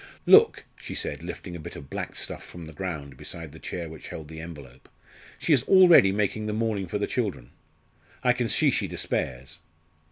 "Look!" she said, lifting a bit of black stuff from the ground beside the chair which held the envelope; "she is already making the mourning for the children. I can see she despairs."